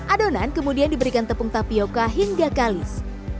adonan kemudian diberikan tepung tapioca hingga kalis